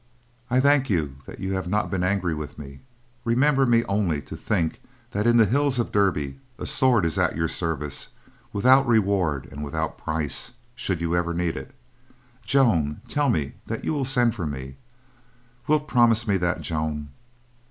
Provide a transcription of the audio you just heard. I thank you that you have not been angry with me. Remember me only to think that in the hills of Derby, a sword is at your service, without reward and without price. Should you ever need it, Joan, tell me that you will send for me—wilt promise me that, Joan?"